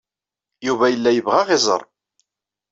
Yuba yella yebɣa ad aɣ-iẓer.